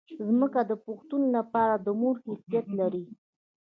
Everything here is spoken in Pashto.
ځمکه د پښتون لپاره د مور حیثیت لري.